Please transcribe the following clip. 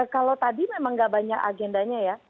kalau tadi memang nggak banyak agendanya ya